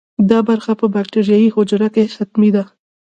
دا برخه په باکتریايي حجره کې حتمي ده.